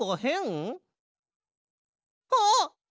あっ！